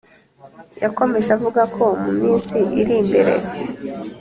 Yakomeje avuga ko mu minsi iri imbere